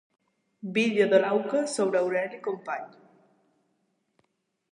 Vídeo de l'auca sobre Aureli Capmany.